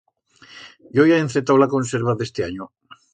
Yo ya he encetau la conserva d'este anyo.